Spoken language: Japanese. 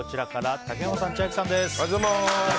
竹山さん、千秋さんです。